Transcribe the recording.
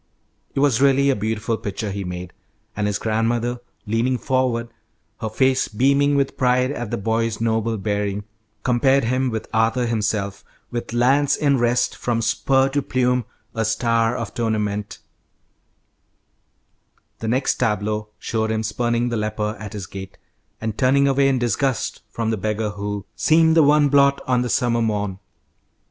It was really a beautiful picture he made, and his grandmother, leaning forward, her face beaming with pride at the boy's noble bearing, compared him with Arthur himself, "with lance in rest, from spur to plume a star of tournament," The next tableau showed him spurning the leper at his gate, and turning away in disgust from the beggar who "seemed the one blot on the summer morn."